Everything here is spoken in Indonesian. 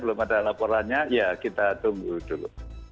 belum ada laporannya ya kita tunggu dulu